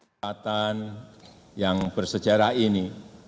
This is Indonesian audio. kelihatan yang bersejarah ini